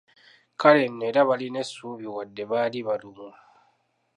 Kale nno era baalina essuubi wadde baali balumwa.